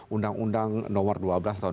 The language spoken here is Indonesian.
undang undang nomor dua belas tahun dua ribu